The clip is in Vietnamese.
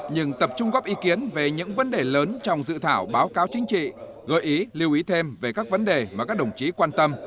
nhưng tập trung góp ý kiến về những vấn đề lớn trong dự thảo báo cáo chính trị gợi ý lưu ý thêm về các vấn đề mà các đồng chí quan tâm